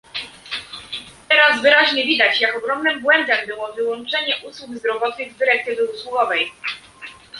Teraz wyraźnie widać, jak ogromnym błędem było wyłączenie usług zdrowotnych z dyrektywy usługowej